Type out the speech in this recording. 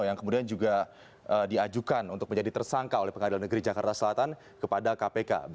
yang kemudian juga diajukan untuk menjadi tersangka oleh pengadilan negeri jakarta selatan kepada kpk